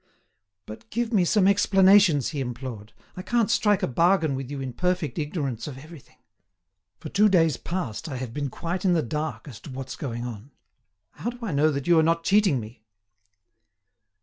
"But give me some explanations," he implored. "I can't strike a bargain with you in perfect ignorance of everything. For two days past I have been quite in the dark as to what's going on. How do I know that you are not cheating me?"